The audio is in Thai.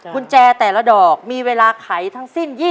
กุญแจแต่ละดอกมีเวลาไขทั้งสิ้น